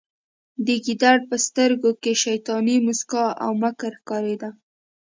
د ګیدړ په سترګو کې شیطاني موسکا او مکر ښکاریده